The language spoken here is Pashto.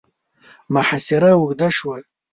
محاصره اوږده شوه.